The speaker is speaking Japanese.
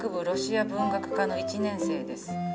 ロシア文学科の１年生です。